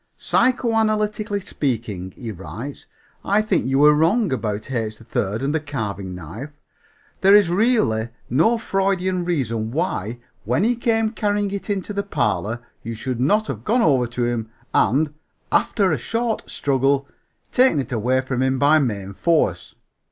"Psychoanalytically speaking," he writes, "I think you were wrong about H. 3rd and the carving knife. There is really no Freudian reason why, when he came carrying it into the parlor, you should not have gone over to him and, 'after a short struggle,' taken it away from him by main force.